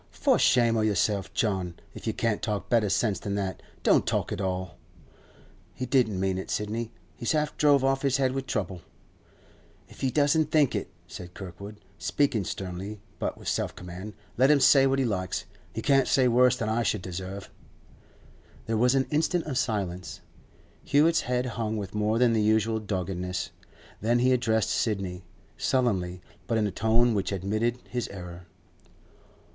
'For shame o' yourself, John. If you can't talk better sense than that, don't talk at all. He don't mean it, Sidney. He's half drove off his head with trouble.' 'If he does think it,' said Kirkwood, speaking sternly but with self command, 'let him say what he likes. He can't say worse than I should deserve.' There was an instant of silence. Hewett's head hung with more than the usual doggedness. Then he addressed Sidney, sullenly, but in a tone which admitted his error.